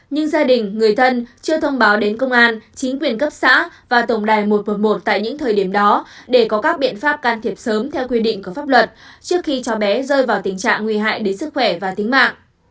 nhưng gia đình người thân chưa thông báo đến công an chính quyền cấp xã và tổng đài một trăm một mươi một tại những thời điểm đó để có các biện pháp can thiệp sớm theo quy định của pháp luật trước khi cháu bé rơi vào tình trạng nguy hại đến sức khỏe và tính mạng